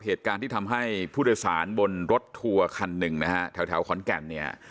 เหตุการณ์ที่ทำให้ผู้โดยสารบนรถทัวร์คันหนึ่งนะฮะแถวขอนแก่นเนี่ย